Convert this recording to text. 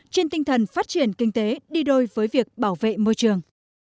trên tinh thần phát triển kinh tế đi đôi với việc bảo vệ môi trường